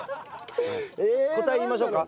答え言いましょうか？